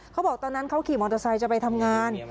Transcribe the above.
เขาบอกตอนนั้นเขาขี่มอเตอร์ไซค์จะไปทำงาน